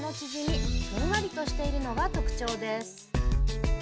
ふんわりとしているのが特徴です。